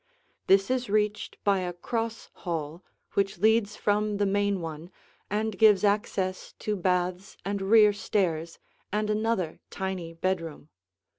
This is reached by a cross hall which leads from the main one, and gives access to baths and rear stairs and another tiny bedroom.